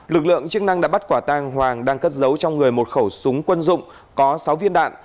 lực lượng chức năng đã bắt quả tang hoàng đang cất giấu trong người một khẩu súng quân dụng có sáu viên đạn